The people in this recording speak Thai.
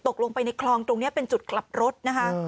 ตกลงไปในคลองตรงนี้เป็นจุดกลับรถนะคะ